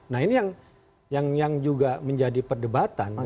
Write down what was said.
nah ini yang juga menjadi perdebatan